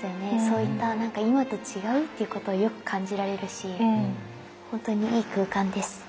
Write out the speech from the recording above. そういった何か今と違うっていうことをよく感じられるしほんとにいい空間です。